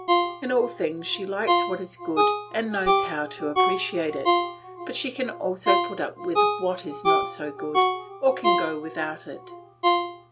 In all things she likes what is good, and knows how to appreciate it; but she can also put up with what is not so good, or can go without it.